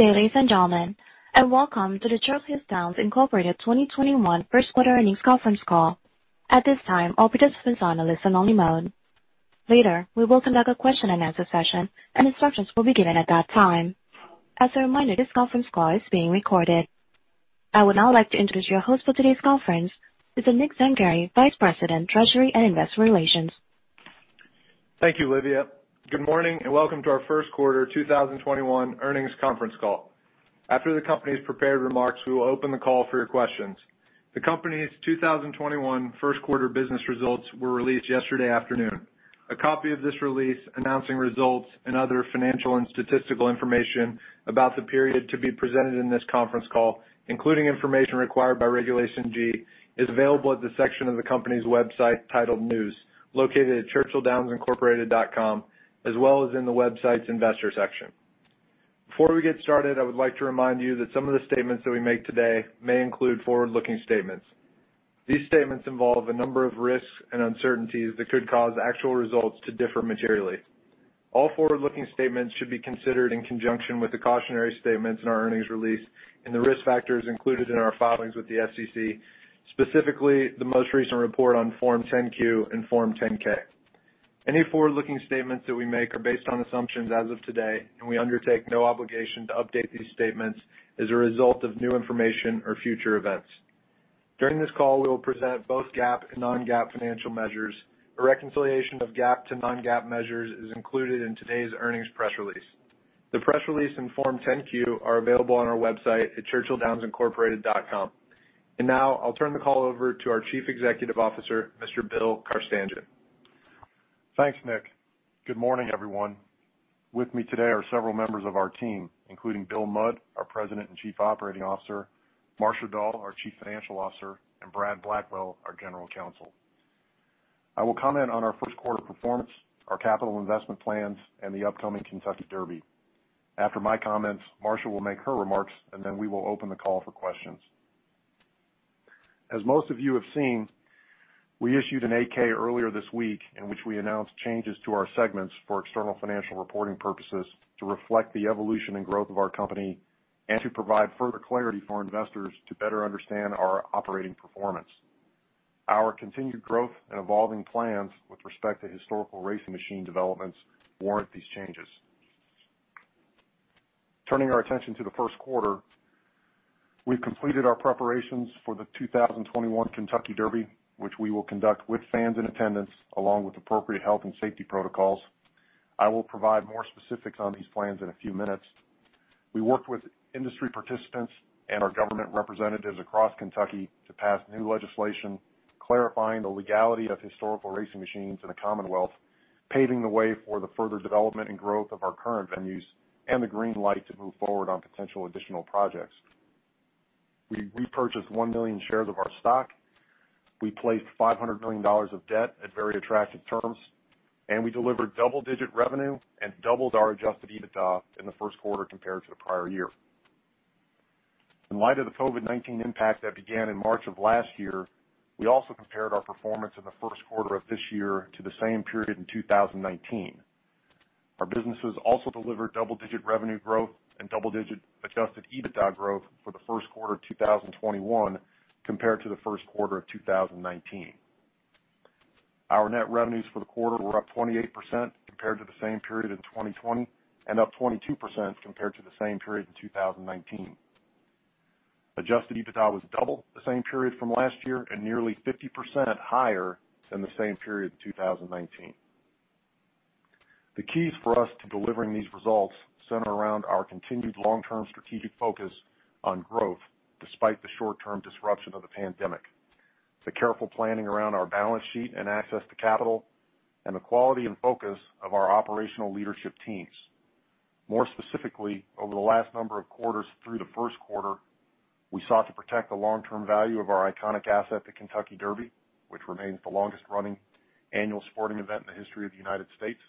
Good day, ladies and gentlemen, welcome to the Churchill Downs Incorporated 2021 first quarter earnings conference call. At this time, all participants are on a listen-only mode. Later, we will conduct a question-and-answer session, and instructions will be given at that time. As a reminder, this conference call is being recorded. I would now like to introduce your host for today's conference. It's Nick Zangari, Vice President, Treasury and Investor Relations. Thank you, Olivia. Good morning, and welcome to our first quarter 2021 earnings conference call. After the company's prepared remarks, we will open the call for your questions. The company's 2021 first quarter business results were released yesterday afternoon. A copy of this release announcing results and other financial and statistical information about the period to be presented in this conference call, including information required by Regulation G, is available at the section of the company's website titled News, located at churchilldownsincorporated.com, as well as in the website's investor section. Before we get started, I would like to remind you that some of the statements that we make today may include forward-looking statements. These statements involve a number of risks and uncertainties that could cause actual results to differ materially. All forward-looking statements should be considered in conjunction with the cautionary statements in our earnings release and the risk factors included in our filings with the SEC, specifically the most recent report on Form 10-Q and Form 10-K. We undertake no obligation to update these statements as a result of new information or future events. During this call, we will present both GAAP and non-GAAP financial measures. A reconciliation of GAAP to non-GAAP measures is included in today's earnings press release. The press release and Form 10-Q are available on our website at churchilldownsincorporated.com. Now I'll turn the call over to our Chief Executive Officer, Mr. Bill Carstanjen. Thanks, Nick. Good morning, everyone. With me today are several members of our team, including Bill Mudd, our President and Chief Operating Officer, Marcia Dall, our Chief Financial Officer, and Bradley Blackwell, our General Counsel. I will comment on our first quarter performance, our capital investment plans, and the upcoming Kentucky Derby. After my comments, Marcia Dall will make her remarks, then we will open the call for questions. As most of you have seen, we issued an 8-K earlier this week in which we announced changes to our segments for external financial reporting purposes to reflect the evolution and growth of our company and to provide further clarity for investors to better understand our operating performance. Our continued growth and evolving plans with respect to historical racing machine developments warrant these changes. Turning our attention to the first quarter, we've completed our preparations for the 2021 Kentucky Derby, which we will conduct with fans in attendance, along with appropriate health and safety protocols. I will provide more specifics on these plans in a few minutes. We worked with industry participants and our government representatives across Kentucky to pass new legislation clarifying the legality of historical racing machines in the Commonwealth, paving the way for the further development and growth of our current venues and the green light to move forward on potential additional projects. We repurchased 1 million shares of our stock. We placed $500 million of debt at very attractive terms, and we delivered double-digit revenue and doubled our adjusted EBITDA in the first quarter compared to the prior year. In light of the COVID-19 impact that began in March of last year, we also compared our performance in the first quarter of this year to the same period in 2019. Our businesses also delivered double-digit revenue growth and double-digit adjusted EBITDA growth for the first quarter of 2021 compared to the first quarter of 2019. Our net revenues for the quarter were up 28% compared to the same period in 2020 and up 22% compared to the same period in 2019. Adjusted EBITDA was double the same period from last year and nearly 50% higher than the same period in 2019. The keys for us to delivering these results center around our continued long-term strategic focus on growth despite the short-term disruption of the pandemic. The careful planning around our balance sheet and access to capital, and the quality and focus of our operational leadership teams. More specifically, over the last number of quarters through the first quarter, we sought to protect the long-term value of our iconic asset, the Kentucky Derby, which remains the longest-running annual sporting event in the history of the United States.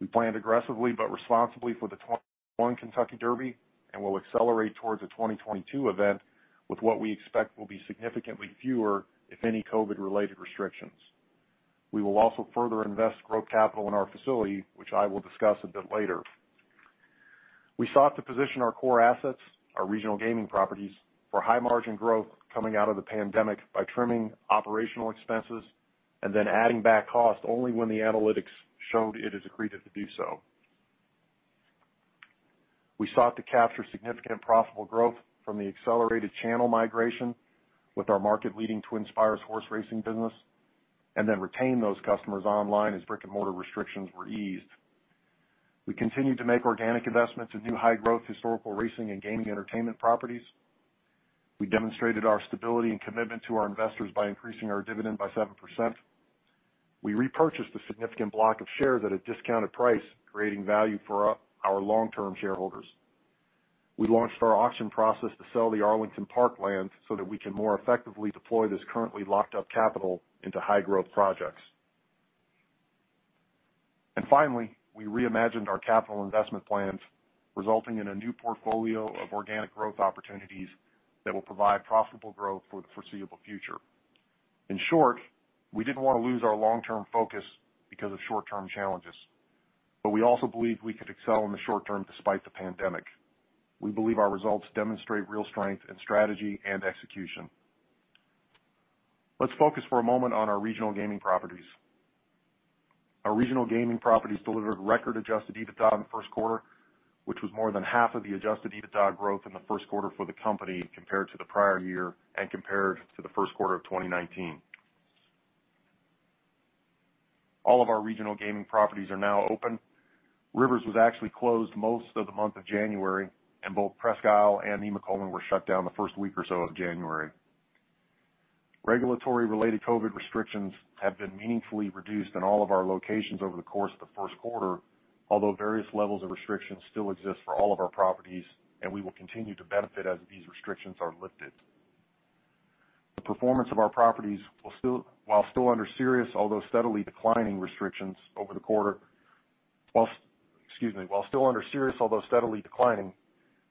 We planned aggressively but responsibly for the 2021 Kentucky Derby and will accelerate towards the 2022 event with what we expect will be significantly fewer, if any, COVID-related restrictions. We will also further invest growth capital in our facility, which I will discuss a bit later. We sought to position our core assets, our regional gaming properties, for high margin growth coming out of the pandemic by trimming operational expenses and then adding back cost only when the analytics showed it is accretive to do so. We sought to capture significant profitable growth from the accelerated channel migration with our market-leading TwinSpires horse racing business and then retain those customers online as brick-and-mortar restrictions were eased. We continued to make organic investments in new high-growth historical racing and gaming entertainment properties. We demonstrated our stability and commitment to our investors by increasing our dividend by 7%. We repurchased a significant block of shares at a discounted price, creating value for our long-term shareholders. We launched our auction process to sell the Arlington Park lands so that we can more effectively deploy this currently locked-up capital into high-growth projects. Finally, we reimagined our capital investment plans, resulting in a new portfolio of organic growth opportunities that will provide profitable growth for the foreseeable future. In short, we didn't want to lose our long-term focus because of short-term challenges. We also believed we could excel in the short term despite the pandemic. We believe our results demonstrate real strength in strategy and execution. Let's focus for a moment on our regional gaming properties. Our regional gaming properties delivered record adjusted EBITDA in the first quarter, which was more than half of the adjusted EBITDA growth in the first quarter for the company compared to the prior year and compared to the first quarter of 2019. All of our regional gaming properties are now open. Rivers was actually closed most of the month of January, and both Presque Isle and Nemacolin were shut down the first week or so of January. Regulatory related COVID restrictions have been meaningfully reduced in all of our locations over the course of the first quarter, although various levels of restrictions still exist for all of our properties, and we will continue to benefit as these restrictions are lifted. The performance of our properties, while still under serious although steadily declining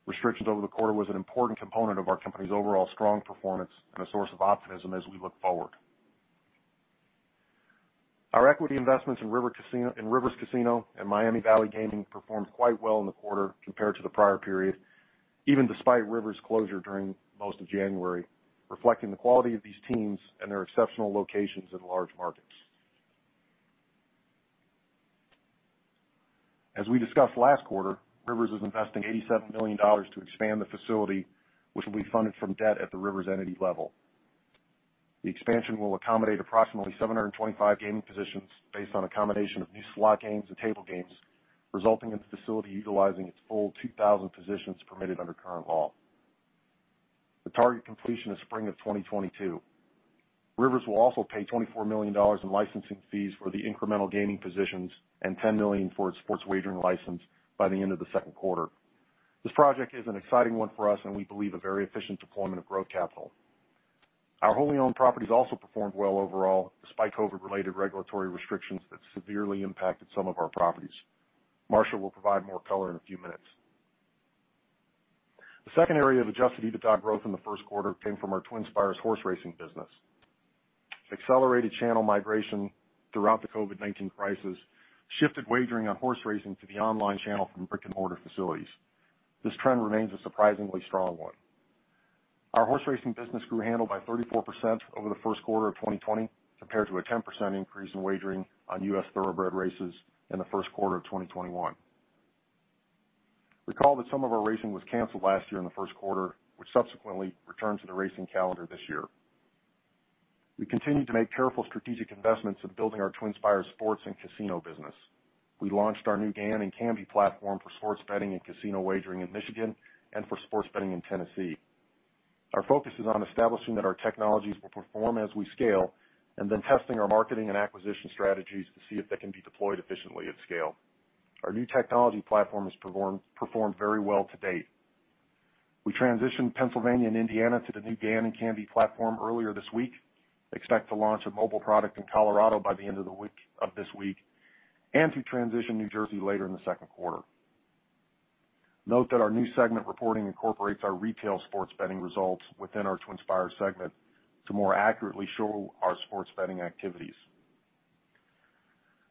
restrictions over the quarter was an important component of our company's overall strong performance and a source of optimism as we look forward. Our equity investments in Rivers Casino and Miami Valley Gaming performed quite well in the quarter compared to the prior period, even despite Rivers' closure during most of January, reflecting the quality of these teams and their exceptional locations in large markets. As we discussed last quarter, Rivers Casino Des Plaines is investing $87 million to expand the facility, which will be funded from debt at the Rivers Casino Des Plaines entity level. The expansion will accommodate approximately 725 gaming positions based on a combination of new slot games and table games, resulting in the facility utilizing its full 2,000 positions permitted under current law. The target completion is spring of 2022. Rivers Casino Des Plaines will also pay $24 million in licensing fees for the incremental gaming positions and $10 million for its sports wagering license by the end of the second quarter. This project is an exciting one for us, and we believe a very efficient deployment of growth capital. Our wholly owned properties also performed well overall, despite COVID-19 related regulatory restrictions that severely impacted some of our properties. Marcia Dall will provide more color in a few minutes. The second area of adjusted EBITDA growth in the first quarter came from our TwinSpires horse racing business. Accelerated channel migration throughout the COVID-19 crisis shifted wagering on horse racing to the online channel from brick-and-mortar facilities. This trend remains a surprisingly strong one. Our horse racing business grew handle by 34% over the first quarter of 2020, compared to a 10% increase in wagering on U.S. thoroughbred races in the first quarter of 2021. Recall that some of our racing was canceled last year in the first quarter, which subsequently returned to the racing calendar this year. We continued to make careful strategic investments in building our TwinSpires sports and casino business. We launched our new GAN and Kambi platform for sports betting and casino wagering in Michigan and for sports betting in Tennessee. Our focus is on establishing that our technologies will perform as we scale, and then testing our marketing and acquisition strategies to see if they can be deployed efficiently at scale. Our new technology platform has performed very well to date. We transitioned Pennsylvania and Indiana to the new GAN and Kambi platform earlier this week, expect to launch a mobile product in Colorado by the end of this week, and to transition New Jersey later in the second quarter. Note that our new segment reporting incorporates our retail sports betting results within our TwinSpires segment to more accurately show our sports betting activities.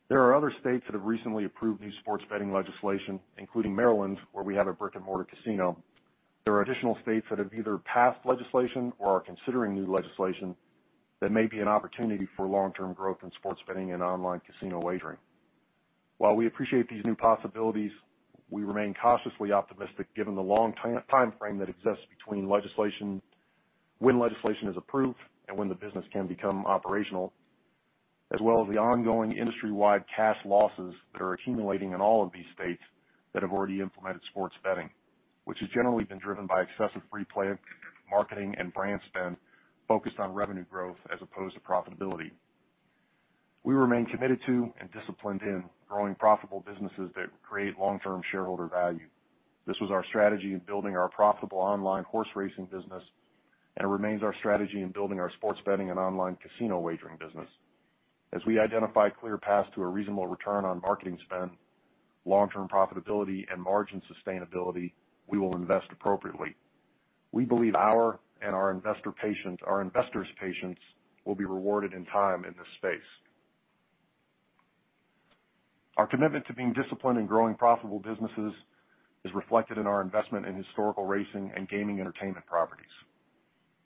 There are other states that have recently approved new sports betting legislation, including Maryland, where we have a brick-and-mortar casino. There are additional states that have either passed legislation or are considering new legislation that may be an opportunity for long-term growth in sports betting and online casino wagering. While we appreciate these new possibilities, we remain cautiously optimistic given the long timeframe that exists between when legislation is approved and when the business can become operational, as well as the ongoing industry-wide cash losses that are accumulating in all of these states that have already implemented sports betting, which has generally been driven by excessive free play, marketing, and brand spend focused on revenue growth as opposed to profitability. We remain committed to and disciplined in growing profitable businesses that create long-term shareholder value. This was our strategy in building our profitable online horse racing business and remains our strategy in building our sports betting and online casino wagering business. As we identify a clear path to a reasonable return on marketing spend, long-term profitability, and margin sustainability, we will invest appropriately. We believe our and our investors' patience will be rewarded in time in this space. Our commitment to being disciplined and growing profitable businesses is reflected in our investment in historical racing and gaming entertainment properties.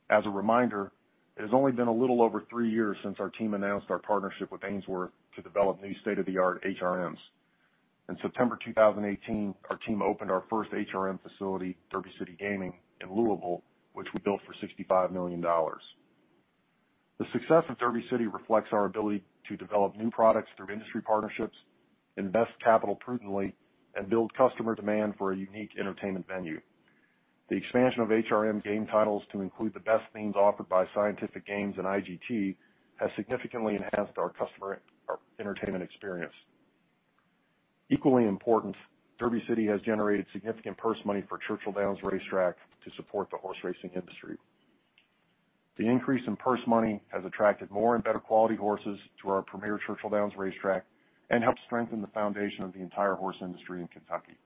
As a reminder, it has only been a little over three years since our team announced our partnership with Ainsworth to develop new state-of-the-art HRMs. In September 2018, our team opened our first HRM facility, Derby City Gaming, in Louisville, which we built for $65 million. The success of Derby City reflects our ability to develop new products through industry partnerships, invest capital prudently, and build customer demand for a unique entertainment venue. The expansion of HRM game titles to include the best themes offered by Scientific Games and IGT has significantly enhanced our customer entertainment experience. Equally important, Derby City Gaming has generated significant purse money for Churchill Downs Racetrack to support the horse racing industry. The increase in purse money has attracted more and better quality horses to our premier Churchill Downs racetrack and helped strengthen the foundation of the entire horse industry in Kentucky.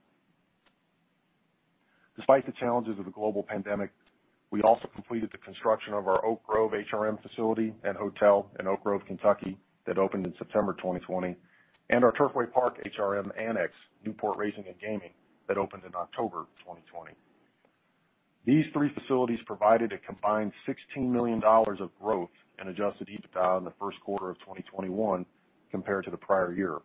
Despite the challenges of the global pandemic, we also completed the construction of our Oak Grove Racing, Gaming & Hotel in Oak Grove, Kentucky, that opened in September 2020, and our Turfway Park Racing & Gaming HRM annex, Newport Racing & Gaming, that opened in October 2020. These three facilities provided a combined $16 million of growth in adjusted EBITDA in the first quarter of 2021 compared to the prior year.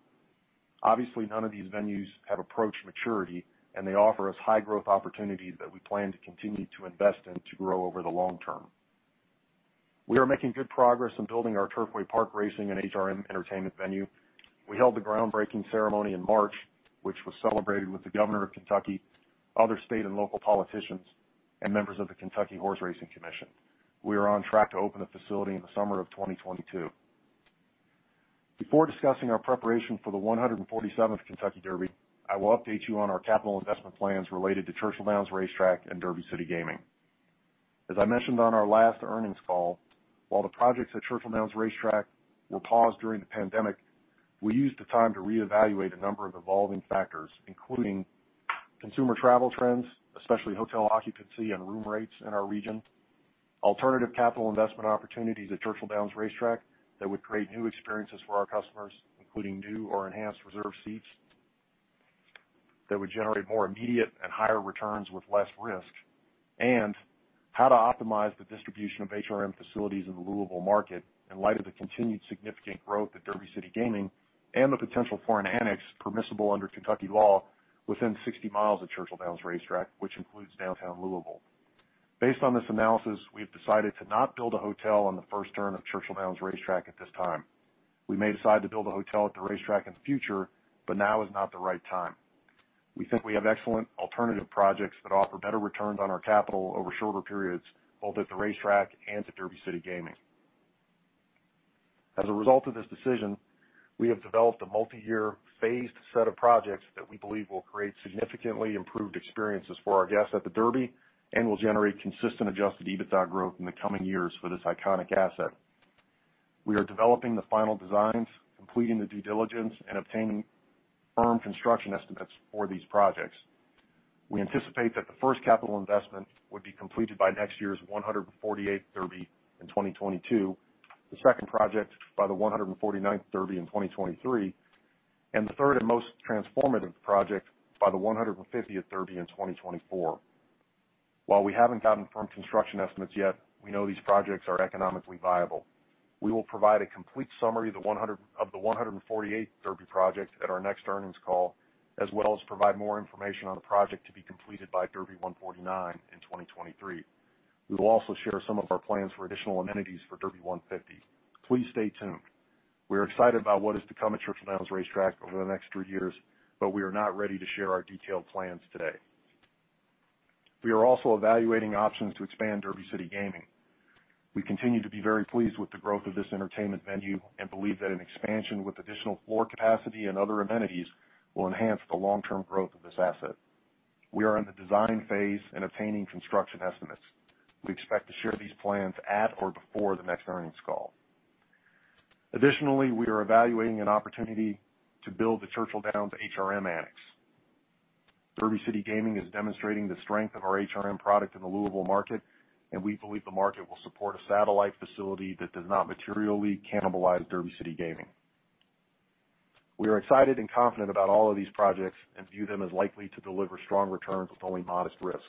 Obviously, none of these venues have approached maturity, and they offer us high-growth opportunities that we plan to continue to invest in to grow over the long term. We are making good progress in building our Turfway Park Racing and HRM entertainment venue. We held the groundbreaking ceremony in March, which was celebrated with the governor of Kentucky, other state and local politicians, and members of the Kentucky Horse Racing Commission. We are on track to open the facility in the summer of 2022. Before discussing our preparation for the 147th Kentucky Derby, I will update you on our capital investment plans related to Churchill Downs Racetrack and Derby City Gaming. As I mentioned on our last earnings call, while the projects at Churchill Downs Racetrack were paused during the pandemic, we used the time to reevaluate a number of evolving factors, including consumer travel trends, especially hotel occupancy and room rates in our region, alternative capital investment opportunities at Churchill Downs Racetrack that would create new experiences for our customers, including new or enhanced reserve seats that would generate more immediate and higher returns with less risk, and how to optimize the distribution of HRM facilities in the Louisville market in light of the continued significant growth at Derby City Gaming and the potential for an annex permissible under Kentucky law within 60 miles of Churchill Downs Racetrack, which includes downtown Louisville. Based on this analysis, we have decided to not build a hotel on the first turn of Churchill Downs Racetrack at this time. We may decide to build a hotel at the racetrack in the future, but now is not the right time. We think we have excellent alternative projects that offer better returns on our capital over shorter periods, both at the racetrack and at Derby City Gaming. As a result of this decision, we have developed a multi-year phased set of projects that we believe will create significantly improved experiences for our guests at the Derby and will generate consistent adjusted EBITDA growth in the coming years for this iconic asset. We are developing the final designs, completing the due diligence, and obtaining firm construction estimates for these projects. We anticipate that the first capital investment would be completed by next year's 148th Derby in 2022, the second project by the 149th Derby in 2023, and the third and most transformative project by the 150th Derby in 2024. While we haven't gotten firm construction estimates yet, we know these projects are economically viable. We will provide a complete summary of the 148th Derby project at our next earnings call, as well as provide more information on the project to be completed by Derby 149 in 2023. We will also share some of our plans for additional amenities for Derby 150. Please stay tuned. We are excited about what is to come at Churchill Downs Racetrack over the next three years, but we are not ready to share our detailed plans today. We are also evaluating options to expand Derby City Gaming. We continue to be very pleased with the growth of this entertainment venue and believe that an expansion with additional floor capacity and other amenities will enhance the long-term growth of this asset. We are in the design phase and obtaining construction estimates. We expect to share these plans at or before the next earnings call. We are evaluating an opportunity to build the Churchill Downs HRM annex. Derby City Gaming is demonstrating the strength of our HRM product in the Louisville market. We believe the market will support a satellite facility that does not materially cannibalize Derby City Gaming. We are excited and confident about all of these projects. We view them as likely to deliver strong returns with only modest risk.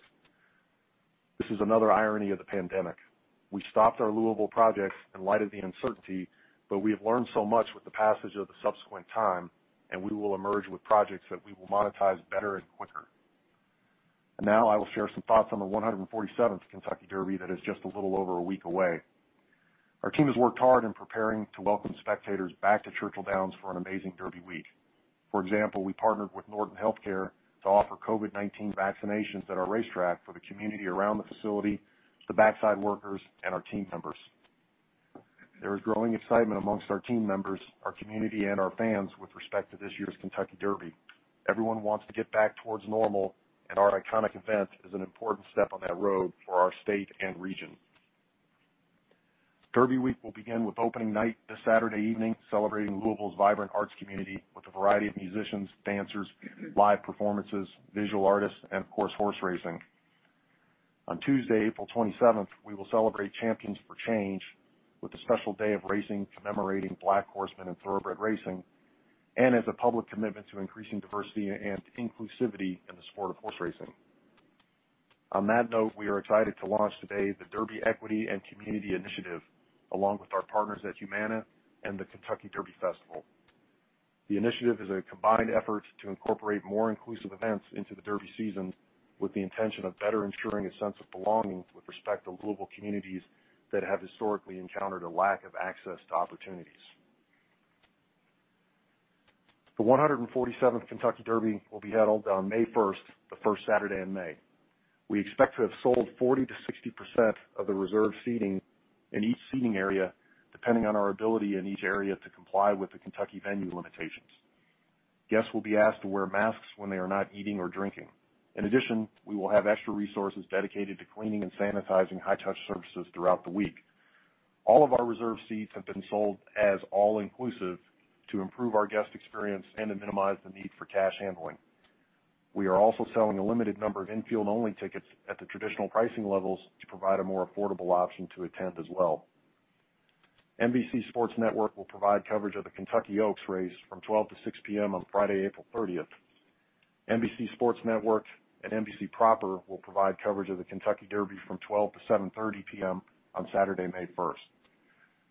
This is another irony of the pandemic. We stopped our Louisville projects in light of the uncertainty. We have learned so much with the passage of the subsequent time. We will emerge with projects that we will monetize better and quicker. Now I will share some thoughts on the 147th Kentucky Derby that is just a little over a week away. Our team has worked hard in preparing to welcome spectators back to Churchill Downs for an amazing Derby Week. For example, we partnered with Norton Healthcare to offer COVID-19 vaccinations at our racetrack for the community around the facility, the backside workers, and our team members. There is growing excitement amongst our team members, our community, and our fans with respect to this year's Kentucky Derby. Everyone wants to get back towards normal, and our iconic event is an important step on that road for our state and region. Derby Week will begin with Opening Night this Saturday evening, celebrating Louisville's vibrant arts community with a variety of musicians, dancers, live performances, visual artists, and of course, horse racing. On Tuesday, April 27th, we will celebrate Champions for Change with a special day of racing commemorating Black horsemen in thoroughbred racing and as a public commitment to increasing diversity and inclusivity in the sport of horse racing. On that note, we are excited to launch today the Derby Equity and Community Initiative along with our partners at Humana and the Kentucky Derby Festival. The initiative is a combined effort to incorporate more inclusive events into the Derby season with the intention of better ensuring a sense of belonging with respect to Louisville communities that have historically encountered a lack of access to opportunities. The 147th Kentucky Derby will be held on May 1st, the first Saturday in May. We expect to have sold 40%-60% of the reserved seating in each seating area, depending on our ability in each area to comply with the Kentucky venue limitations. Guests will be asked to wear masks when they are not eating or drinking. In addition, we will have extra resources dedicated to cleaning and sanitizing high-touch surfaces throughout the week. All of our reserved seats have been sold as all-inclusive to improve our guest experience and to minimize the need for cash handling. We are also selling a limited number of infield-only tickets at the traditional pricing levels to provide a more affordable option to attend as well. NBC Sports Network will provide coverage of the Kentucky Oaks race from 12:00 to 6:00 P.M. on Friday, April 30th. NBC Sports Network and NBC will provide coverage of the Kentucky Derby from 12:00 to 7:30 P.M. on Saturday, May 1st.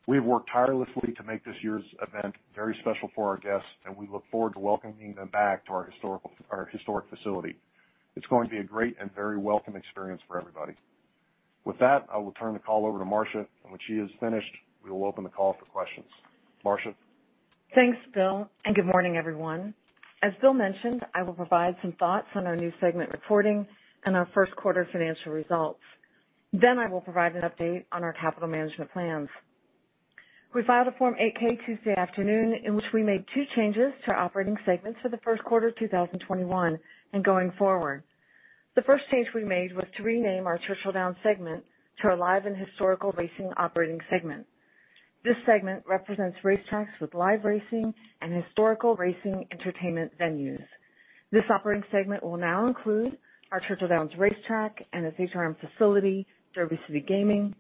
We have worked tirelessly to make this year's event very special for our guests, and we look forward to welcoming them back to our historic facility. It's going to be a great and very welcome experience for everybody. With that, I will turn the call over to Marcia, and when she is finished, we will open the call for questions. Marcia? Thanks, Bill. Good morning, everyone. As Bill mentioned, I will provide some thoughts on our new segment reporting and our first quarter financial results. I will provide an update on our capital management plans. We filed a Form 8-K Tuesday afternoon in which we made two changes to our operating segments for the first quarter of 2021 and going forward. The first change we made was to rename our Churchill Downs Segment to our Live and Historical Racing Operating Segment. This segment represents racetracks with live racing and historical racing entertainment venues. This operating segment will now include our Churchill Downs racetrack and its HRM facility, Derby City Gaming,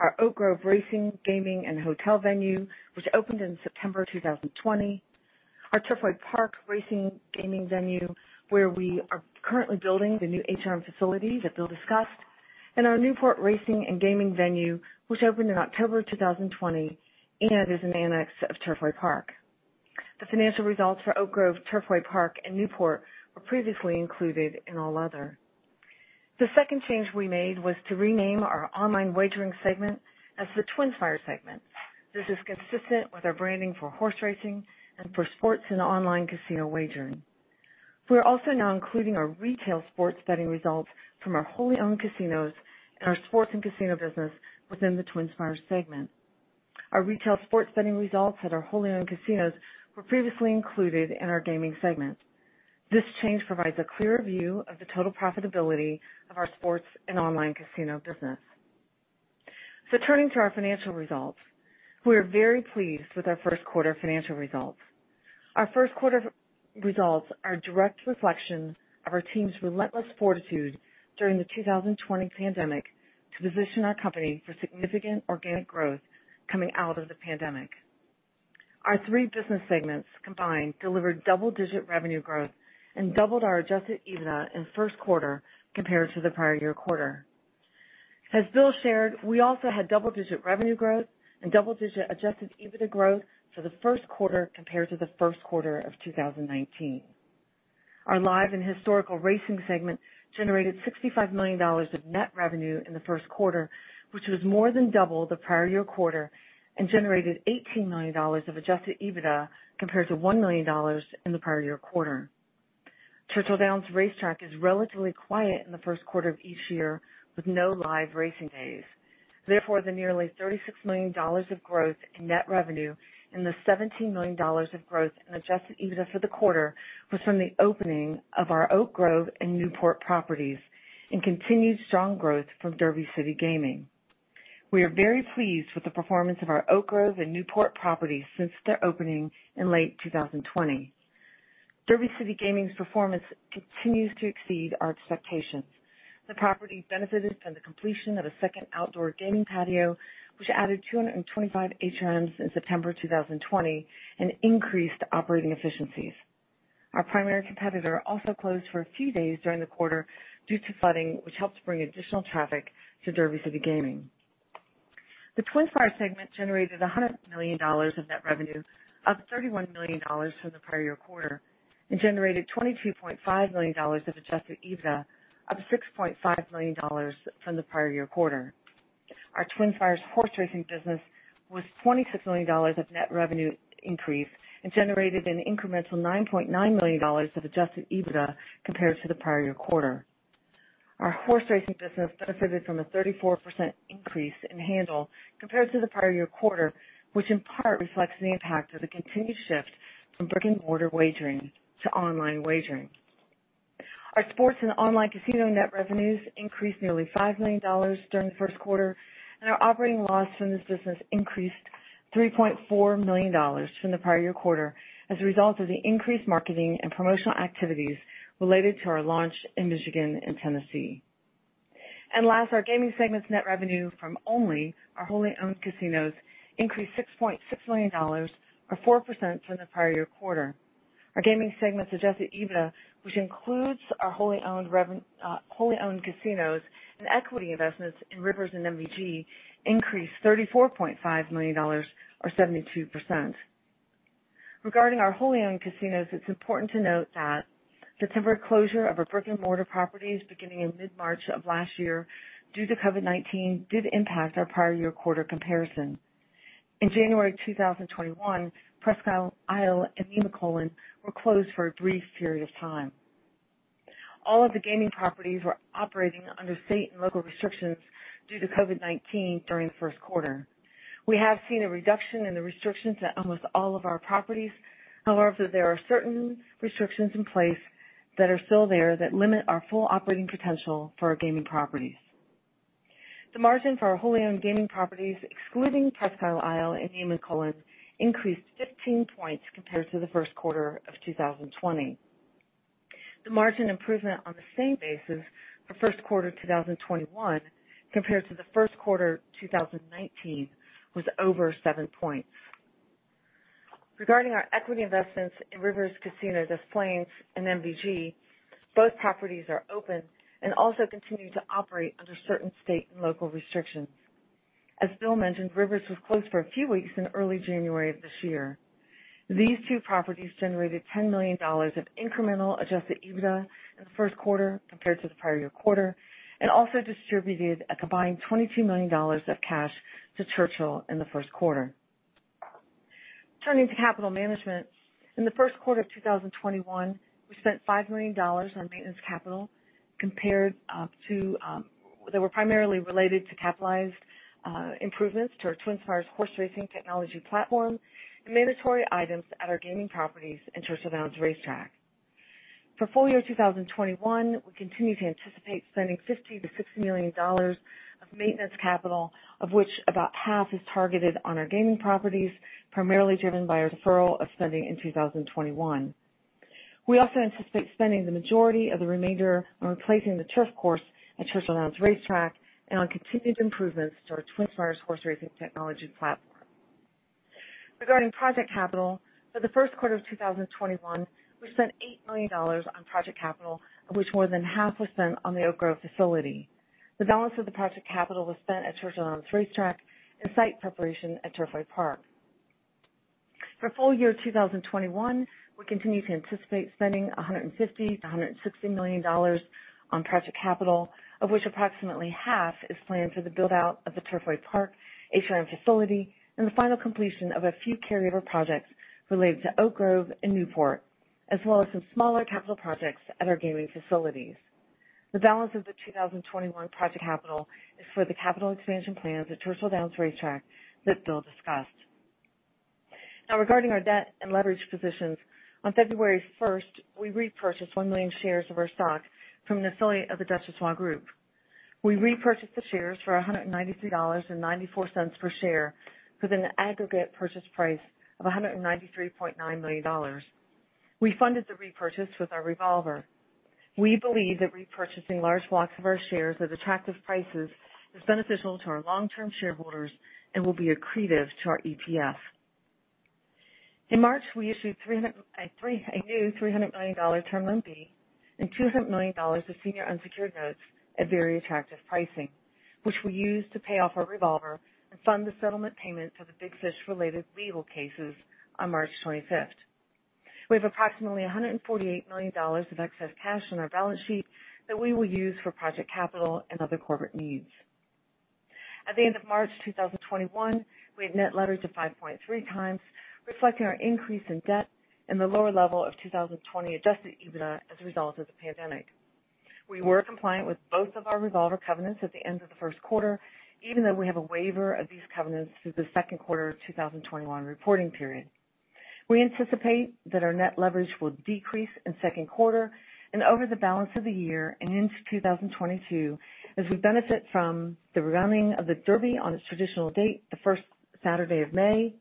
our Oak Grove Racing, Gaming, and Hotel venue, which opened in September 2020, our Turfway Park Racing & Gaming venue, where we are currently building the new HRM facility that Bill discussed. Our Newport Racing & Gaming venue, which opened in October 2020 and is an annex of Turfway Park. The financial results for Oak Grove, Turfway Park, and Newport were previously included in all other. The second change we made was to rename our online wagering segment as the TwinSpires segment. This is consistent with our branding for horse racing and for sports and online casino wagering. We are also now including our retail sports betting results from our wholly owned casinos and our sports and casino business within the TwinSpires segment. Our retail sports betting results at our wholly owned casinos were previously included in our gaming segment. This change provides a clearer view of the total profitability of our sports and online casino business. Turning to our financial results. We are very pleased with our first quarter financial results. Our first quarter results are a direct reflection of our team's relentless fortitude during the 2020 pandemic to position our company for significant organic growth coming out of the pandemic. Our three business segments combined delivered double-digit revenue growth and doubled our adjusted EBITDA in the first quarter compared to the prior year quarter. As Bill shared, we also had double-digit revenue growth and double-digit adjusted EBITDA growth for the first quarter compared to the first quarter of 2019. Our Live and Historical Racing segment generated $65 million of net revenue in the first quarter, which was more than double the prior year quarter and generated $18 million of adjusted EBITDA compared to $1 million in the prior year quarter. Churchill Downs Racetrack is relatively quiet in the first quarter of each year with no live racing days. Therefore, the nearly $36 million of growth in net revenue and the $17 million of growth in adjusted EBITDA for the quarter was from the opening of our Oak Grove and Newport properties and continued strong growth from Derby City Gaming. We are very pleased with the performance of our Oak Grove and Newport properties since their opening in late 2020. Derby City Gaming's performance continues to exceed our expectations. The property benefited from the completion of a second outdoor gaming patio, which added 225 HRMs in September 2020 and increased operating efficiencies. Our primary competitor also closed for a few days during the quarter due to flooding, which helped bring additional traffic to Derby City Gaming. The TwinSpires segment generated $100 million in net revenue, up $31 million from the prior year quarter, and generated $22.5 million of adjusted EBITDA, up $6.5 million from the prior year quarter. Our TwinSpires horse racing business was $26 million of net revenue increase and generated an incremental $9.9 million of adjusted EBITDA compared to the prior year quarter. Our horse racing business benefited from a 34% increase in handle compared to the prior year quarter, which in part reflects the impact of the continued shift from brick-and-mortar wagering to online wagering. Our sports and online casino net revenues increased nearly $5 million during the first quarter, and our operating loss from this business increased $3.4 million from the prior year quarter as a result of the increased marketing and promotional activities related to our launch in Michigan and Tennessee. Last, our gaming segment's net revenue from only our wholly owned casinos increased $6.6 million or 4% from the prior year quarter. Our gaming segment's adjusted EBITDA, which includes our wholly owned casinos and equity investments in Rivers and MVG, increased $34.5 million or 72%. Regarding our wholly owned casinos, it's important to note that the temporary closure of our brick-and-mortar properties beginning in mid-March of last year due to COVID-19 did impact our prior year quarter comparison. In January 2021, Presque Isle and Lady Luck Nemacolin were closed for a brief period of time. All of the gaming properties were operating under state and local restrictions due to COVID-19 during the first quarter. We have seen a reduction in the restrictions at almost all of our properties. There are certain restrictions in place that are still there that limit our full operating potential for our gaming properties. The margin for our wholly-owned gaming properties, excluding Presque Isle and Nemacolin, increased 15 points compared to the first quarter of 2020. The margin improvement on the same basis for first quarter 2021 compared to the first quarter 2019 was over seven points. Regarding our equity investments in Rivers Casino Des Plaines and MVG, both properties are open and also continue to operate under certain state and local restrictions. As Bill mentioned, Rivers was closed for a few weeks in early January of this year. These two properties generated $10 million of incremental adjusted EBITDA in the first quarter compared to the prior year quarter, and also distributed a combined $22 million of cash to Churchill in the first quarter. Turning to capital management. In the first quarter of 2021, we spent $5 million on maintenance capital that were primarily related to capitalized improvements to our TwinSpires horse racing technology platform and mandatory items at our gaming properties and Churchill Downs racetrack. For full year 2021, we continue to anticipate spending $50 million to $60 million of maintenance capital, of which about half is targeted on our gaming properties, primarily driven by our deferral of spending in 2021. We also anticipate spending the majority of the remainder on replacing the turf course at Churchill Downs racetrack and on continued improvements to our TwinSpires horse racing technology platform. Regarding project capital, for the first quarter of 2021, we spent $8 million on project capital, of which more than half was spent on the Oak Grove facility. The balance of the project capital was spent at Churchill Downs racetrack and site preparation at Turfway Park. For full year 2021, we continue to anticipate spending $150 million-$160 million on project capital, of which approximately half is planned for the build-out of the Turfway Park HRM facility and the final completion of a few carryover projects related to Oak Grove and Newport, as well as some smaller capital projects at our gaming facilities. The balance of the 2021 project capital is for the capital expansion plans at Churchill Downs racetrack that Bill discussed. Now, regarding our debt and leverage positions, on February 1st, we repurchased 1 million shares of our stock from an affiliate of The Duchossois Group. We repurchased the shares for $193.94 per share with an aggregate purchase price of $193.9 million. We funded the repurchase with our revolver. We believe that repurchasing large blocks of our shares at attractive prices is beneficial to our long-term shareholders and will be accretive to our EPS. In March, we issued a new $300 million term loan B and $200 million of senior unsecured notes at very attractive pricing, which we used to pay off our revolver and fund the settlement payment for the Big Fish related legal cases on March 25th. We have approximately $148 million of excess cash on our balance sheet that we will use for project capital and other corporate needs. At the end of March 2021, we had net leverage of 5.3x, reflecting our increase in debt and the lower level of 2020 adjusted EBITDA as a result of the pandemic. We were compliant with both of our revolver covenants at the end of the first quarter, even though we have a waiver of these covenants through the second quarter of 2021 reporting period. We anticipate that our net leverage will decrease in second quarter and over the balance of the year and into 2022 as we benefit from the rerunning of the Kentucky Derby on its traditional date, the first Saturday of May,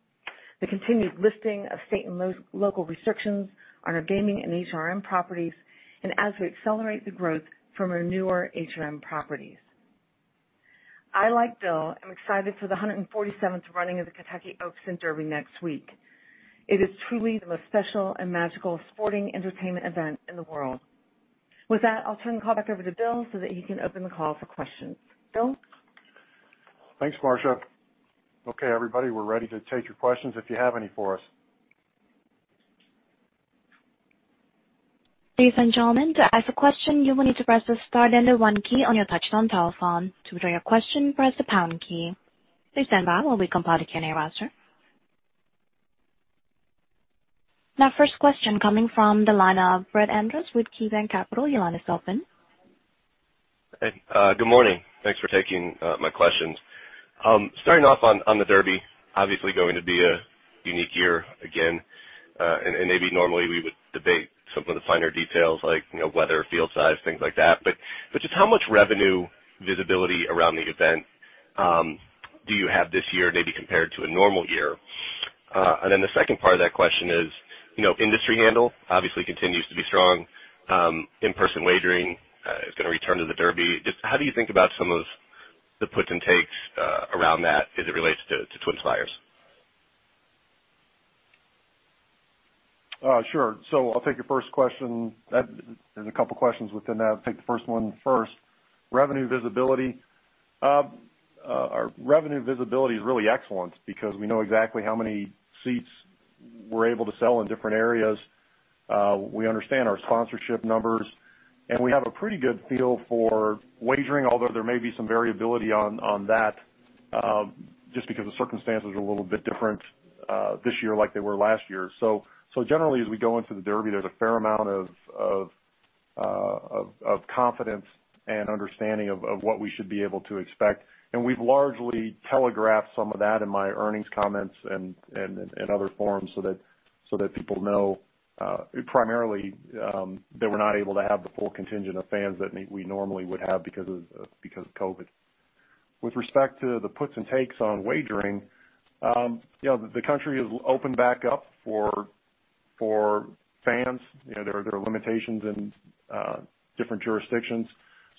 the continued lifting of state and local restrictions on our gaming and HRM properties, and as we accelerate the growth from our newer HRM properties. I, like Bill, am excited for the 147th running of the Kentucky Oaks and Kentucky Derby next week. It is truly the most special and magical sporting entertainment event in the world. With that, I'll turn the call back over to Bill so that he can open the call for questions. Bill? Thanks, Marcia. Everybody, we're ready to take your questions if you have any for us. Ladies and gentlemen, to ask a question, you will need to press the star then the one key on your touchtone telephone. To withdraw your question, press the pound key. Please stand by while we compile the Q&A roster. First question coming from the line of Brett Andress with KeyBanc Capital. Your line is open. Hey. Good morning. Thanks for taking my questions. Starting off on the Derby. Obviously going to be a unique year again. Maybe normally we would debate some of the finer details like weather, field size, things like that. Just how much revenue visibility around the event do you have this year maybe compared to a normal year? The second part of that question is, industry handle obviously continues to be strong. In-person wagering is going to return to the Derby. Just how do you think about some of the puts and takes around that as it relates to TwinSpires? Sure. I'll take your first question. There's a couple of questions within that. I'll take the first one first. Revenue visibility. Our revenue visibility is really excellent because we know exactly how many seats we're able to sell in different areas. We understand our sponsorship numbers, and we have a pretty good feel for wagering, although there may be some variability on that just because the circumstances are a little bit different this year like they were last year. Generally, as we go into the Kentucky Derby, there's a fair amount of confidence and understanding of what we should be able to expect. We've largely telegraphed some of that in my earnings comments and other forums so that people know primarily that we're not able to have the full contingent of fans that we normally would have because of COVID-19. With respect to the puts and takes on wagering, the country has opened back up for fans. There are limitations in different jurisdictions.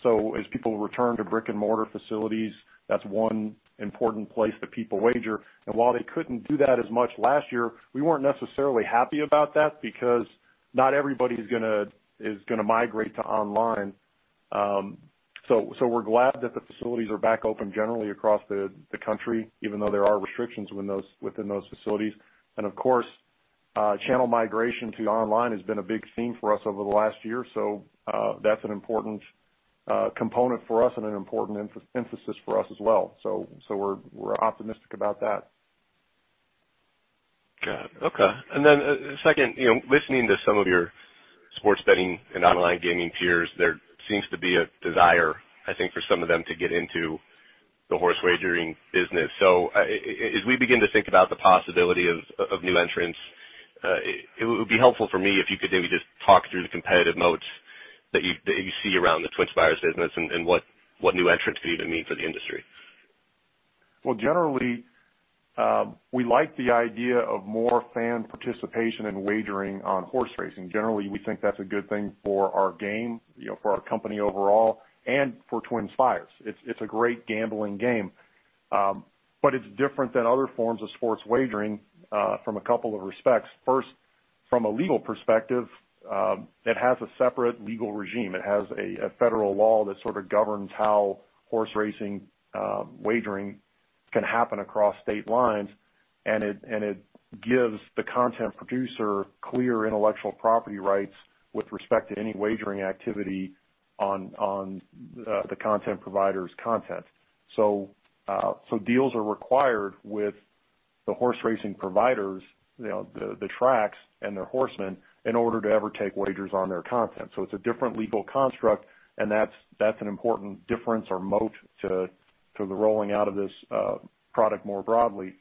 As people return to brick-and-mortar facilities, that's one important place that people wager. While they couldn't do that as much last year, we weren't necessarily happy about that because not everybody is going to migrate to online. We're glad that the facilities are back open generally across the country, even though there are restrictions within those facilities. Of course, channel migration to online has been a big theme for us over the last year. That's an important component for us and an important emphasis for us as well. We're optimistic about that. Got it. Okay. Second, listening to some of your sports betting and online gaming peers, there seems to be a desire, I think, for some of them to get into the horse wagering business. As we begin to think about the possibility of new entrants, it would be helpful for me if you could maybe just talk through the competitive moats that you see around the TwinSpires business and what new entrants even mean for the industry. Generally, we like the idea of more fan participation in wagering on horse racing. Generally, we think that's a good thing for our game, for our company overall, and for TwinSpires. It's a great gambling game. It's different than other forms of sports wagering from a couple of respects. First, from a legal perspective, it has a separate legal regime. It has a federal law that sort of governs how horse racing wagering can happen across state lines, and it gives the content producer clear intellectual property rights with respect to any wagering activity on the content provider's content. Deals are required with the horse racing providers, the tracks, and their horsemen in order to ever take wagers on their content. It's a different legal construct, and that's an important difference or moat to the rolling out of this product more broadly.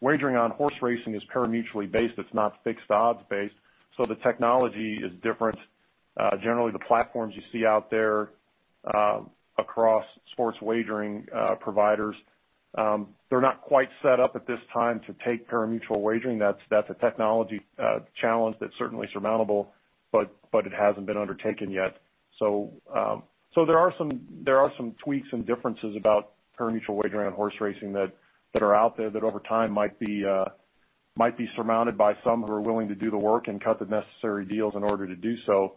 Wagering on horse racing is pari-mutuel-based. It's not fixed odds based, the technology is different. Generally, the platforms you see out there across sports wagering providers, they're not quite set up at this time to take pari-mutuel wagering. That's a technology challenge that's certainly surmountable, it hasn't been undertaken yet. There are some tweaks and differences about pari-mutuel wagering on horse racing that are out there that over time might be surmounted by some who are willing to do the work and cut the necessary deals in order to do so.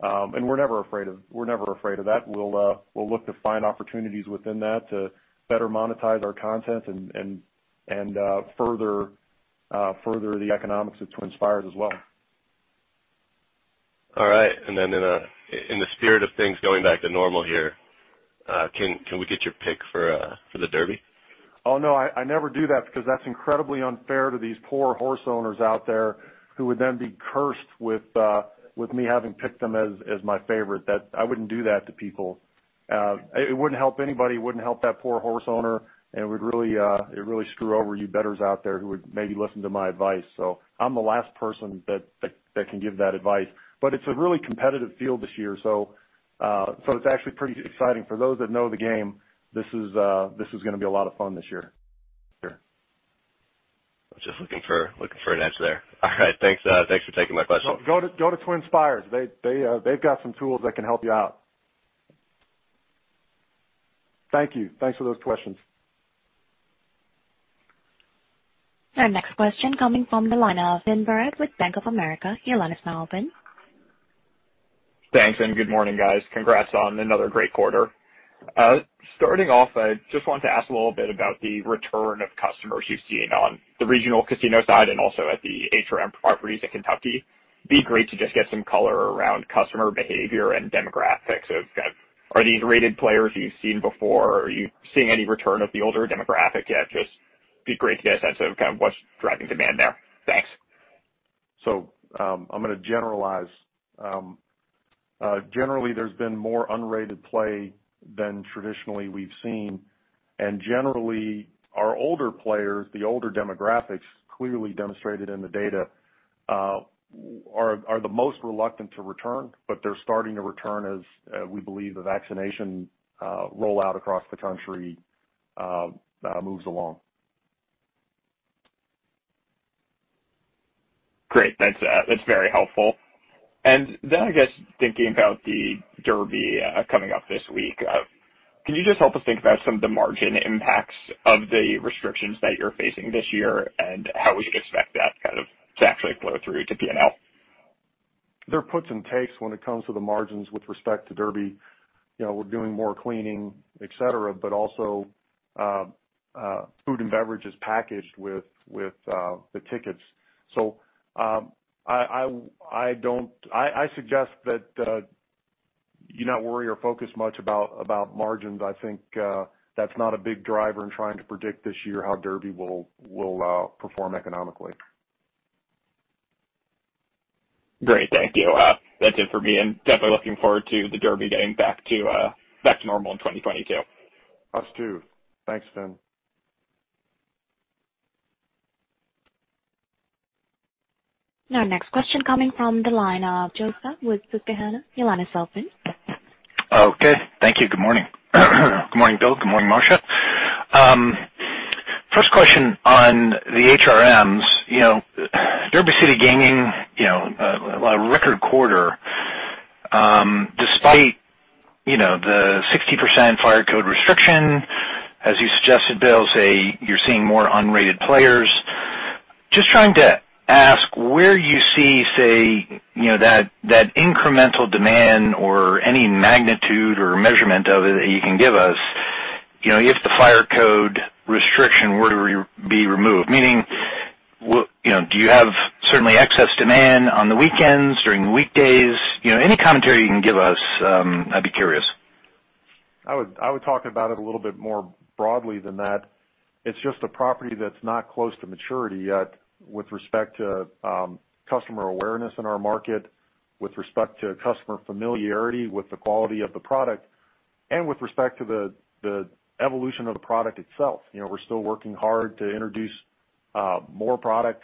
We're never afraid of that. We'll look to find opportunities within that to better monetize our content and further the economics at TwinSpires as well. All right, in the spirit of things going back to normal here, can we get your pick for the Derby? Oh, no, I never do that because that's incredibly unfair to these poor horse owners out there who would then be cursed with me having picked them as my favorite. I wouldn't do that to people. It wouldn't help anybody. It wouldn't help that poor horse owner, and it would really screw over you bettors out there who would maybe listen to my advice. I'm the last person that can give that advice. It's a really competitive field this year, so it's actually pretty exciting. For those that know the game, this is going to be a lot of fun this year. I was just looking for an answer there. All right. Thanks for taking my question. Go to TwinSpires. They've got some tools that can help you out. Thank you. Thanks for those questions. Our next question coming from the line of Finn Barrett with Bank of America. Your line is now open. Thanks, and good morning, guys. Congrats on another great quarter. Starting off, I just wanted to ask a little bit about the return of customers you're seeing on the regional casino side and also at the HRM properties in Kentucky. It'd be great to just get some color around customer behavior and demographics of kind of are these rated players you've seen before? Are you seeing any return of the older demographic yet? Just be great to get a sense of kind of what's driving demand there. Thanks. I'm going to generalize. Generally, there's been more unrated play than traditionally we've seen. Generally, our older players, the older demographics, clearly demonstrated in the data, are the most reluctant to return, but they're starting to return as we believe the vaccination rollout across the country moves along. Great. That's very helpful. I guess thinking about the Derby coming up this week, can you just help us think about some of the margin impacts of the restrictions that you're facing this year and how we should expect that kind of to actually flow through to P&L? There are puts and takes when it comes to the margins with respect to Derby. We're doing more cleaning, et cetera, but also food and beverage is packaged with the tickets. I suggest that you not worry or focus much about margins. I think that's not a big driver in trying to predict this year how Derby will perform economically. Great. Thank you. That's it for me, and definitely looking forward to the Derby getting back to normal in 2022. Us too. Thanks, Shaun Kelley. Next question coming from the line of Joe Stauff with Susquehanna. Your line is open. Okay. Thank you. Good morning. Good morning, Bill. Good morning, Marcia. First question on the HRMs. Derby City Gaming a record quarter despite the 60% fire code restriction. As you suggested, Bill, you're seeing more unrated players. Just trying to ask where you see that incremental demand or any magnitude or measurement of it that you can give us, if the fire code restriction were to be removed, meaning, do you have certainly excess demand on the weekends, during the weekdays? Any commentary you can give us, I'd be curious. I would talk about it a little bit more broadly than that. It's just a property that's not close to maturity yet with respect to customer awareness in our market, with respect to customer familiarity with the quality of the product, and with respect to the evolution of the product itself. We're still working hard to introduce more product,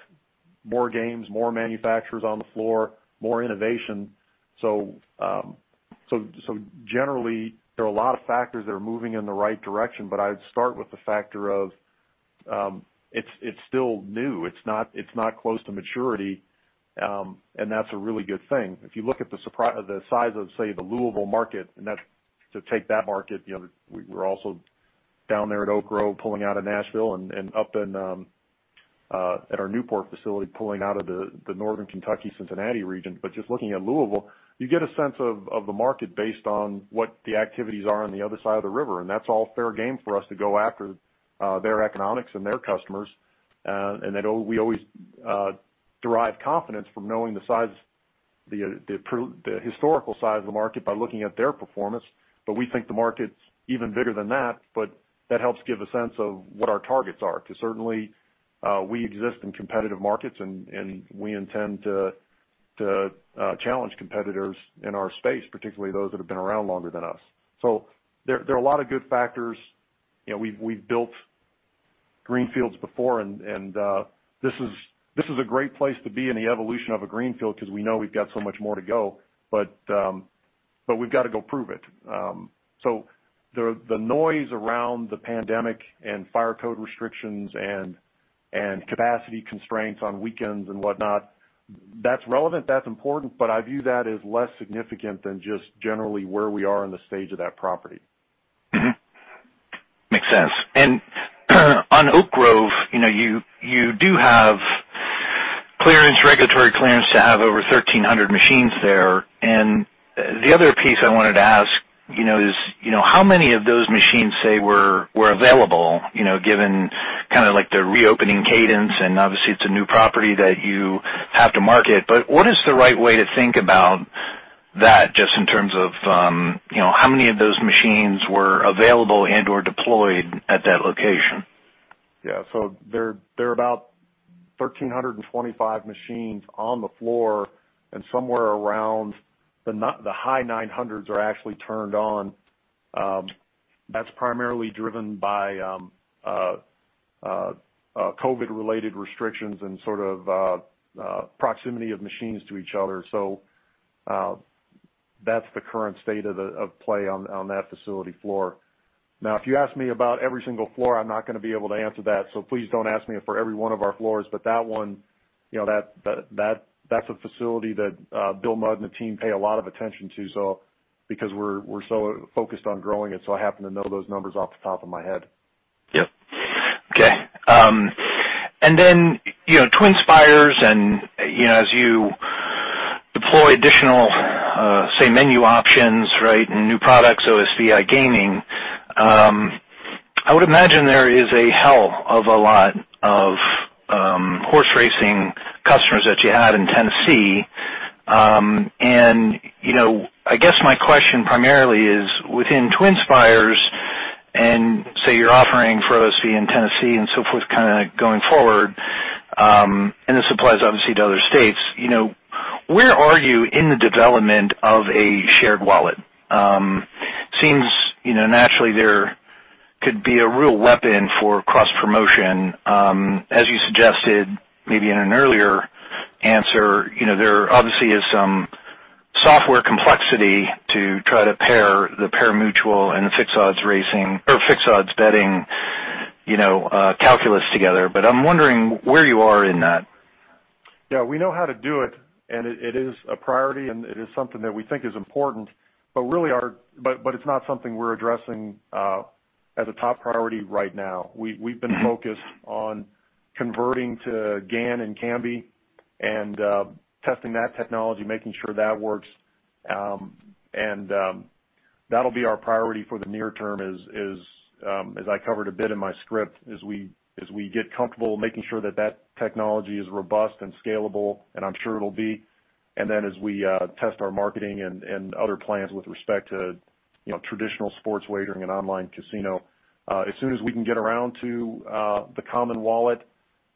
more games, more manufacturers on the floor, more innovation. Generally, there are a lot of factors that are moving in the right direction, but I'd start with the factor of it's still new. It's not close to maturity, and that's a really good thing. If you look at the size of, say, the Louisville market, and to take that market, we're also down there at Oak Grove pulling out of Nashville and up at our Newport facility, pulling out of the Northern Kentucky, Cincinnati region. Just looking at Louisville, you get a sense of the market based on what the activities are on the other side of the river, and that's all fair game for us to go after their economics and their customers. That we always derive confidence from knowing the historical size of the market by looking at their performance. We think the market's even bigger than that, but that helps give a sense of what our targets are, because certainly, we exist in competitive markets, and we intend to challenge competitors in our space, particularly those that have been around longer than us. There are a lot of good factors. We've built greenfields before, and this is a great place to be in the evolution of a greenfield because we know we've got so much more to go, but we've got to go prove it. The noise around the pandemic and fire code restrictions and capacity constraints on weekends and whatnot, that's relevant, that's important, but I view that as less significant than just generally where we are in the stage of that property. Makes sense. On Oak Grove, you do have regulatory clearance to have over 1,300 machines there. The other piece I wanted to ask is how many of those machines, say, were available, given kind of like the reopening cadence, and obviously, it's a new property that you have to market, but what is the right way to think about that, just in terms of how many of those machines were available and/or deployed at that location? There are about 1,325 machines on the floor and somewhere around the high 900s are actually turned on. That's primarily driven by COVID-related restrictions and sort of proximity of machines to each other. That's the current state of play on that facility floor. If you ask me about every single floor, I'm not going to be able to answer that, please don't ask me for every one of our floors. That one, that's a facility that Bill Mudd and the team pay a lot of attention to because we're so focused on growing it, I happen to know those numbers off the top of my head. Yep. Okay. TwinSpires, and as you deploy additional menu options and new products, OSB iGaming, I would imagine there is a hell of a lot of horse racing customers that you had in Tennessee. I guess my question primarily is within TwinSpires and say you're offering for OSB in Tennessee and so forth kind of going forward, and this applies obviously to other states, where are you in the development of a shared wallet? Seems naturally there could be a real weapon for cross-promotion. As you suggested maybe in an earlier answer, there obviously is some software complexity to try to pair the pari-mutuel and the fixed odds racing or fixed odds betting calculus together. I'm wondering where you are in that. We know how to do it is a priority, it is something that we think is important, it's not something we're addressing as a top priority right now. We've been focused on converting to GAN and Kambi and testing that technology, making sure that works, that'll be our priority for the near term as I covered a bit in my script, as we get comfortable making sure that technology is robust and scalable, I'm sure it'll be. As we test our marketing and other plans with respect to traditional sports wagering and online casino, as soon as we can get around to the common wallet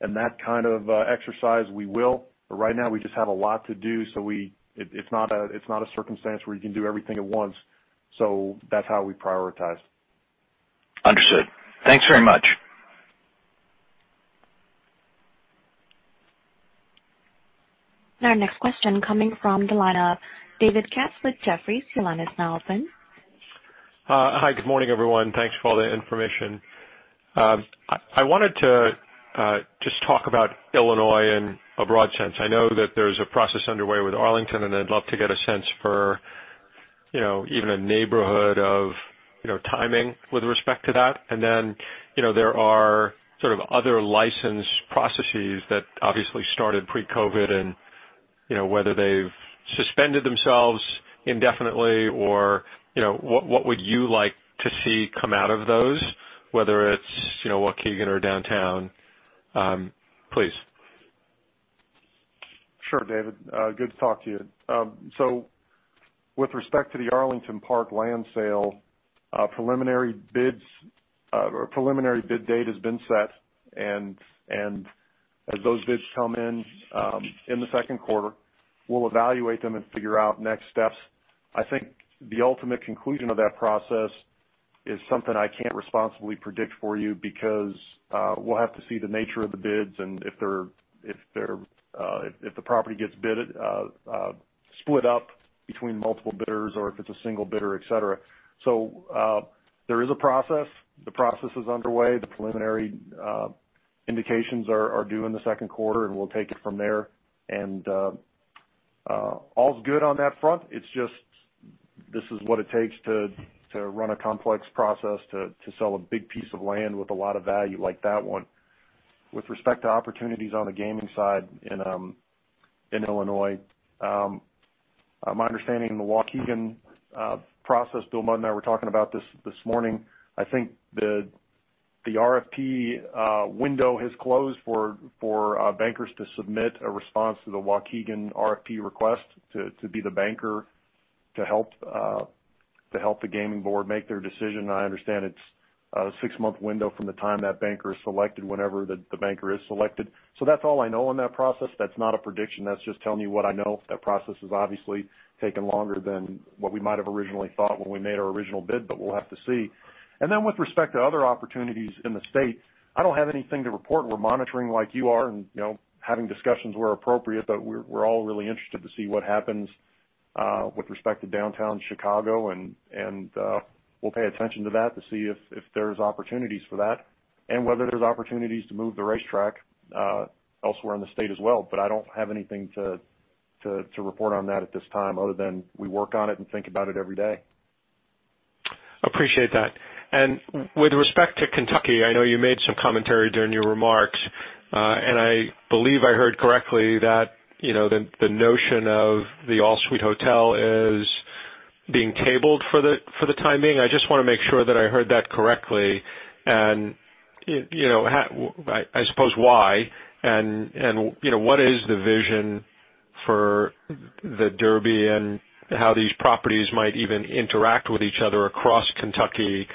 and that kind of exercise, we will. Right now, we just have a lot to do, so it's not a circumstance where you can do everything at once. That's how we prioritize. Understood. Thanks very much. Our next question coming from the line of David Katz with Jefferies. Your line is now open. Hi. Good morning, everyone. Thanks for all the information. I wanted to just talk about Illinois in a broad sense. I know that there's a process underway with Arlington, and I'd love to get a sense for even a neighborhood of timing with respect to that. Then, there are sort of other license processes that obviously started pre-COVID-19 and whether they've suspended themselves indefinitely or what would you like to see come out of those, whether it's Waukegan or downtown? Please. Sure, David. Good to talk to you. With respect to the Arlington Park land sale, a preliminary bid date has been set, and as those bids come in in the second quarter, we'll evaluate them and figure out next steps. I think the ultimate conclusion of that process is something I can't responsibly predict for you because we'll have to see the nature of the bids and if the property gets bidded, split up between multiple bidders or if it's a single bidder, et cetera. There is a process. The process is underway. The preliminary indications are due in the second quarter, and we'll take it from there. All's good on that front. It's just this is what it takes to run a complex process to sell a big piece of land with a lot of value like that one. With respect to opportunities on the gaming side in Illinois, my understanding in the Waukegan process, Bill Mudd and I were talking about this this morning, I think the RFP window has closed for bankers to submit a response to the Waukegan RFP request to be the banker to help the gaming board make their decision, and I understand it's a six-month window from the time that banker is selected whenever the banker is selected. That's all I know on that process. That's not a prediction. That's just telling you what I know. That process has obviously taken longer than what we might have originally thought when we made our original bid, but we'll have to see. Then with respect to other opportunities in the state, I don't have anything to report. We're monitoring like you are and having discussions where appropriate, but we're all really interested to see what happens with respect to downtown Chicago, and we'll pay attention to that to see if there's opportunities for that and whether there's opportunities to move the racetrack elsewhere in the state as well. I don't have anything to report on that at this time other than we work on it and think about it every day. Appreciate that. With respect to Kentucky, I know you made some commentary during your remarks. I believe I heard correctly that the notion of the all-suite hotel is being tabled for the time being. I just want to make sure that I heard that correctly, and I suppose why, and what is the vision for the Derby and how these properties might even interact with each other across Kentucky?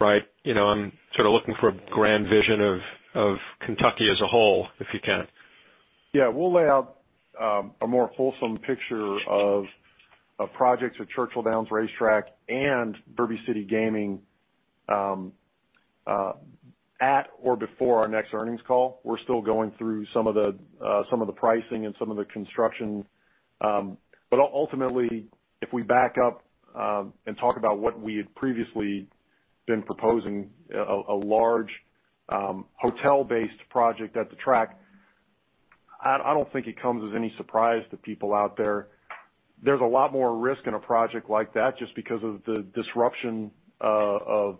I'm sort of looking for a grand vision of Kentucky as a whole, if you can? We'll lay out a more wholesome picture of projects at Churchill Downs Racetrack and Derby City Gaming at or before our next earnings call. We're still going through some of the pricing and some of the construction. Ultimately, if we back up and talk about what we had previously been proposing, a large hotel-based project at the track, I don't think it comes as any surprise to people out there. There's a lot more risk in a project like that just because of the disruption of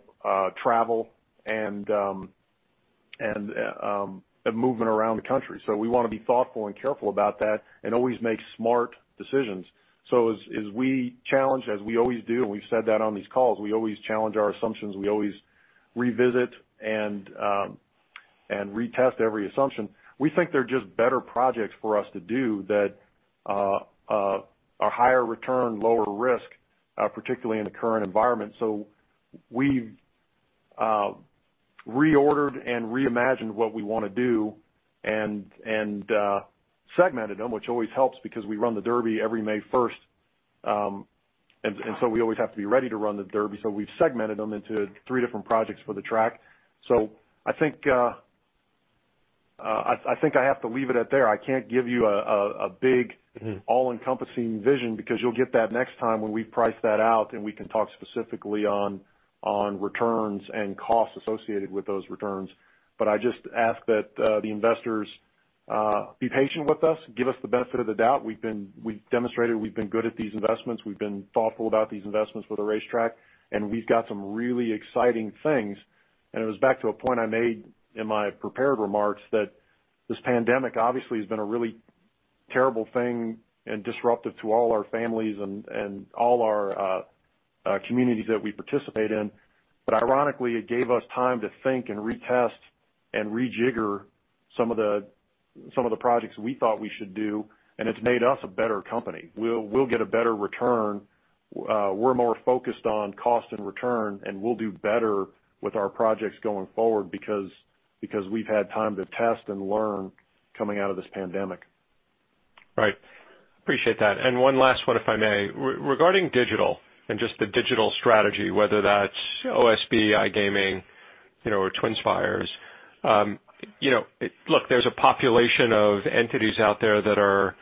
travel and movement around the country. We want to be thoughtful and careful about that and always make smart decisions. As we challenge, as we always do, and we've said that on these calls, we always challenge our assumptions, we always revisit and retest every assumption. We think they're just better projects for us to do that are higher return, lower risk, particularly in the current environment. We've reordered and reimagined what we want to do and segmented them, which always helps because we run the Derby every May 1st, and so we always have to be ready to run the Derby. We've segmented them into three different projects for the track. I think I have to leave it at there. I can't give you a big all-encompassing vision because you'll get that next time when we price that out and we can talk specifically on returns and costs associated with those returns. I just ask that the investors be patient with us, give us the benefit of the doubt. We've demonstrated we've been good at these investments. We've been thoughtful about these investments with the racetrack, and we've got some really exciting things. It was back to a point I made in my prepared remarks that this pandemic obviously has been a really terrible thing and disruptive to all our families and all our communities that we participate in. Ironically, it gave us time to think and retest and rejigger some of the projects we thought we should do, and it's made us a better company. We'll get a better return. We're more focused on cost and return, and we'll do better with our projects going forward because we've had time to test and learn coming out of this pandemic. Right. Appreciate that. One last one, if I may. Regarding digital and just the digital strategy, whether that's OSB, iGaming, or TwinSpires. Look, there's a population of entities out there that are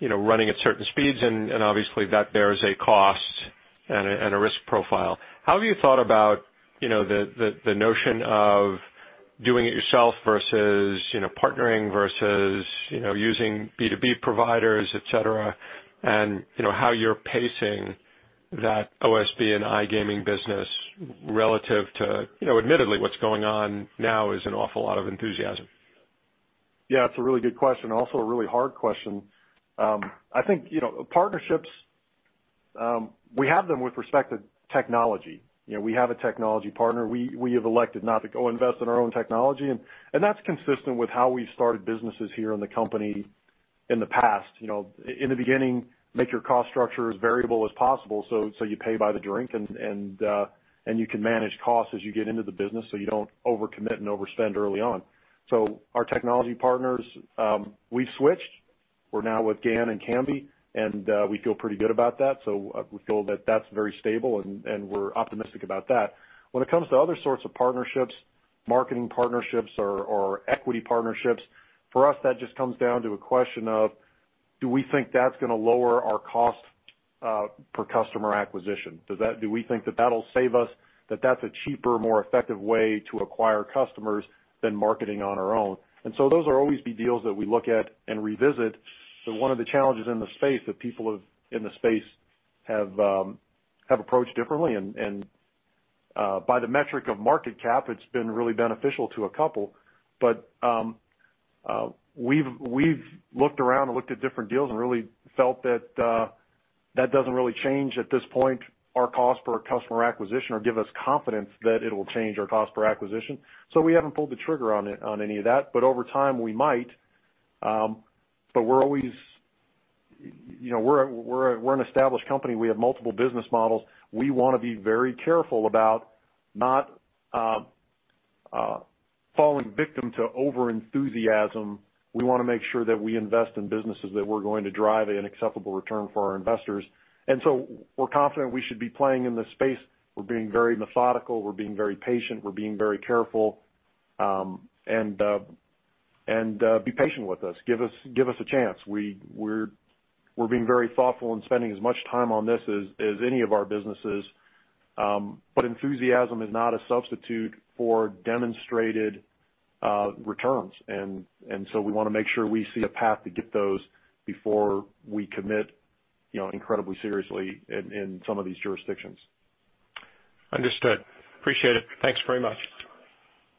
running at certain speeds, and obviously there is a cost and a risk profile. How have you thought about the notion of doing it yourself versus partnering versus using B2B providers, et cetera, and how you're pacing that OSB and iGaming business relative to, admittedly, what's going on now is an awful lot of enthusiasm? Yeah, it's a really good question, also a really hard question. I think, partnerships, we have them with respect to technology. We have a technology partner. We have elected not to go invest in our own technology, and that's consistent with how we've started businesses here in the company in the past. In the beginning, make your cost structure as variable as possible, so you pay by the drink and you can manage costs as you get into the business, so you don't overcommit and overspend early on. Our technology partners, we've switched. We're now with GAN and Kambi, and we feel pretty good about that. We feel that that's very stable, and we're optimistic about that. When it comes to other sorts of partnerships, marketing partnerships or equity partnerships, for us, that just comes down to a question of, do we think that's going to lower our cost per customer acquisition? Do we think that that'll save us, that that's a cheaper, more effective way to acquire customers than marketing on our own? Those will always be deals that we look at and revisit. One of the challenges in the space that people in the space have approached differently, and by the metric of market cap, it's been really beneficial to a couple. We've looked around and looked at different deals and really felt that that doesn't really change at this point our cost per customer acquisition or give us confidence that it'll change our cost per acquisition. We haven't pulled the trigger on any of that. Over time, we might. We're an established company. We have multiple business models. We want to be very careful about not falling victim to over-enthusiasm. We want to make sure that we invest in businesses that we're going to drive an acceptable return for our investors. We're confident we should be playing in this space. We're being very methodical. We're being very patient. We're being very careful. Be patient with us. Give us a chance. We're being very thoughtful and spending as much time on this as any of our businesses. Enthusiasm is not a substitute for demonstrated returns. We want to make sure we see a path to get those before we commit incredibly seriously in some of these jurisdictions. Understood. Appreciate it. Thanks very much.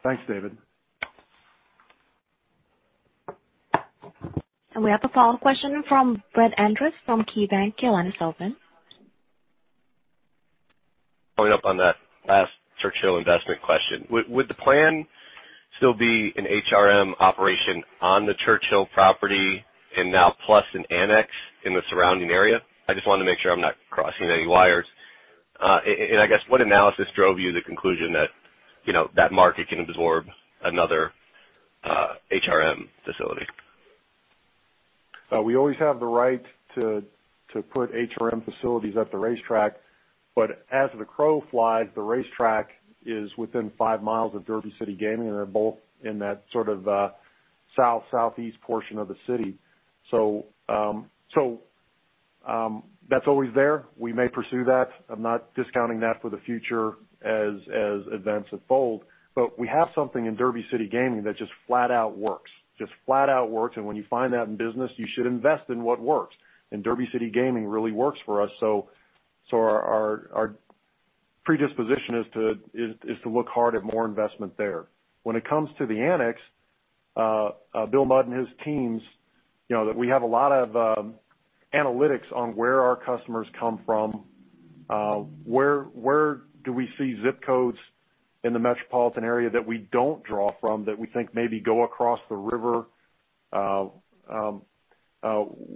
Thanks, David. We have a follow-up question from Brett Andress from KeyBanc. Your line is open. Following up on that last Churchill Downs investment question. Would the plan still be an HRM operation on the Churchill Downs property and now plus an annex in the surrounding area? I just want to make sure I'm not crossing any wires. I guess what analysis drove you to the conclusion that that market can absorb another HRM facility? We always have the right to put HRM facilities at the racetrack. As the crow flies, the racetrack is within five miles of Derby City Gaming, and they're both in that sort of south, southeast portion of the city. That's always there. We may pursue that. I'm not discounting that for the future as events unfold. We have something in Derby City Gaming that just flat out works. Just flat out works, and when you find that in business, you should invest in what works. Derby City Gaming really works for us, so our predisposition is to look hard at more investment there. When it comes to the annex, Bill Mudd and his teams, we have a lot of analytics on where our customers come from, where do we see zip codes in the metropolitan area that we don't draw from that we think maybe go across the river.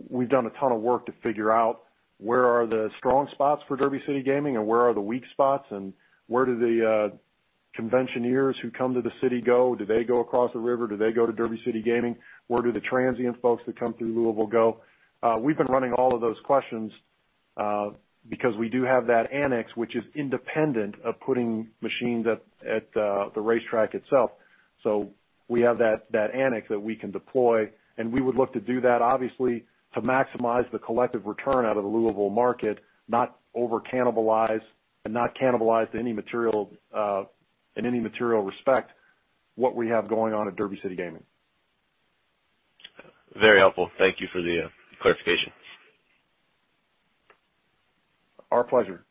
We've done a ton of work to figure out where are the strong spots for Derby City Gaming and where are the weak spots, and where do the conventioneers who come to the city go? Do they go across the river? Do they go to Derby City Gaming? Where do the transient folks that come through Louisville go? We've been running all of those questions because we do have that annex, which is independent of putting machines at the racetrack itself. We have that annex that we can deploy, and we would look to do that obviously to maximize the collective return out of the Louisville market, not over cannibalize and not cannibalize in any material respect what we have going on at Derby City Gaming. Very helpful. Thank you for the clarification. Our pleasure.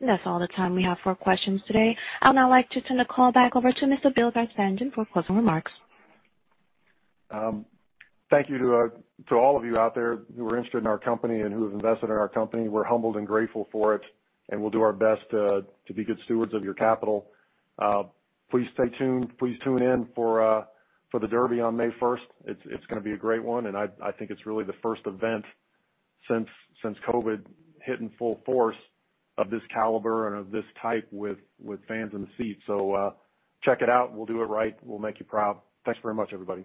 That's all the time we have for questions today. I would now like to turn the call back over to Mr. Bill Carstanjen for closing remarks. Thank you to all of you out there who are interested in our company and who have invested in our company. We're humbled and grateful for it, and we'll do our best to be good stewards of your capital. Please stay tuned. Please tune in for the Derby on May 1st. It's going to be a great one, and I think it's really the first event since COVID hit in full force of this caliber and of this type with fans in the seats. Check it out. We'll do it right. We'll make you proud. Thanks very much, everybody.